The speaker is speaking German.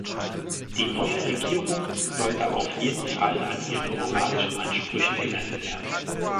Die neue Regierung sollte auf jeden Fall an ihren moralischen Ansprüchen gemessen werden.